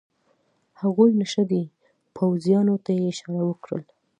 هغوی نشه دي، پوځیانو ته یې اشاره وکړل.